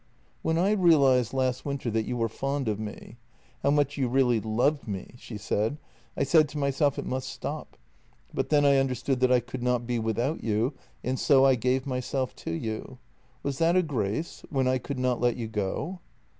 "" When I realized last winter that you were fond of me — how much you really loved me — I said to myself it must stop. But then I understood that I could not be without you, and so I gave myself to you. Was that a grace? When I could not let you go?